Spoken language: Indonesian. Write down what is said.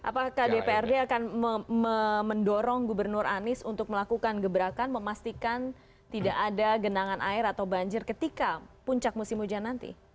apakah dprd akan mendorong gubernur anies untuk melakukan gebrakan memastikan tidak ada genangan air atau banjir ketika puncak musim hujan nanti